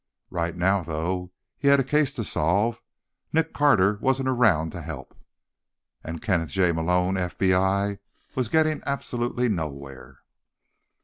Right now, though, he had a case to solve. Nick Carter wasn't around to help. And Kenneth J. Malone, FBI, was getting absolutely nowhere.